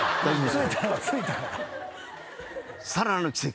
さらなる奇跡。